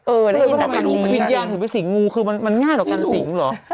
เออได้ยินว่ามันอินิยาถือเป็นสิงห์งูคือมันง่ายเหรอครับสิงห์หรอ